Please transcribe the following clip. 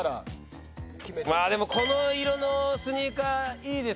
でもこの色のスニーカーいいですけどね。